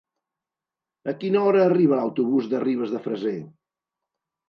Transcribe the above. A quina hora arriba l'autobús de Ribes de Freser?